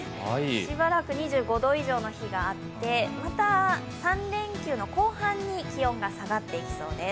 しばらく２５度以上の日があってまた３連休の後半に気温が下がっていきそうです。